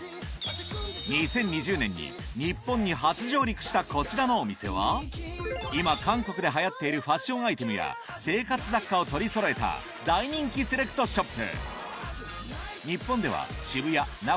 対決の舞台はこちらのお店は今韓国で流行っているファッションアイテムや生活雑貨を取りそろえた大人気セレクトショップ